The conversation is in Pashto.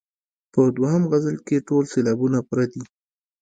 په دوهم غزل کې ټول سېلابونه پوره دي.